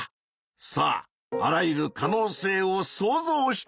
さああらゆる可能性を想像してみてくれ。